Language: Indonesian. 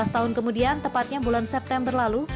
lima belas tahun kemudian tepatnya bulan september lalu